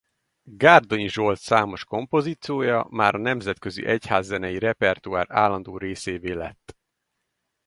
Gárdonyi Zsolt számos kompozíciója már a nemzetközi egyházzenei repertoár állandó részévé lett.